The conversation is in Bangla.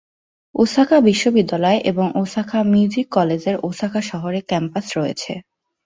ওসাকা বিশ্ববিদ্যালয় এবং ওসাকা মিউজিক কলেজের ওসাকা শহরে ক্যাম্পাস রয়েছে।